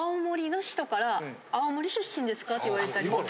言われたりとか。